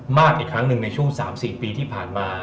อีกครั้งหนึ่งในช่วง๓๔ปีที่ผ่านมา